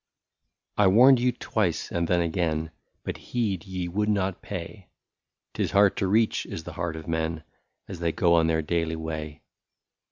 " I WARNED you twice and then again, But heed ye would not pay — 'T is hard to reach is the heart of men, As they go on their daily way.